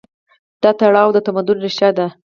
دا تړاو د تمدن ریښه ده.